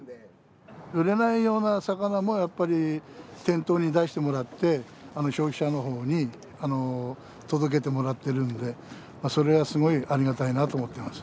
売れないような魚もやっぱり店頭に出してもらって消費者の方に届けてもらってるんでそれはすごいありがたいなと思ってます。